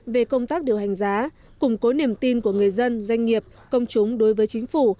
về công tác điều hành giá củng cố niềm tin của người dân doanh nghiệp công chúng đối với chính phủ